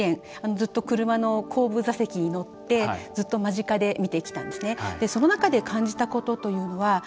ずっと車の後部座席に乗ってずっと間近で見てきたんですね。